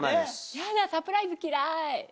ヤダサプライズ嫌い。